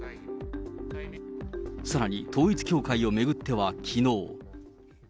さらに、統一教会を巡っては、きのう。